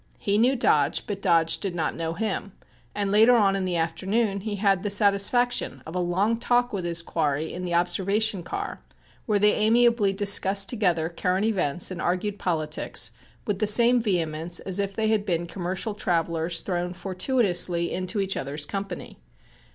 He knew Dodge but Dodge did not know him, and later on in the afternoon he had the satisfaction of a long talk with his quarry in the observation car where they amiably discussed together current events and argued politics with the same vehemence as if they had been commercial travellers thrown fortuitously into each other's company.